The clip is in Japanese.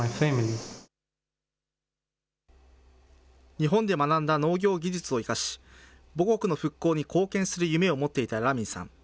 日本で学んだ農業技術を生かし、母国の復興に貢献する夢を持っていたラミンさん。